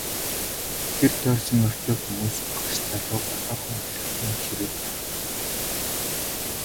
Гэр тойрсон морьтой хүмүүс багш залууг одоохон хүлэгтэй нь чирээд гаргана.